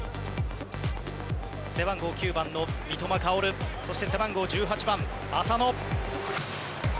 背番号９番の三笘薫そして背番号１８番、浅野。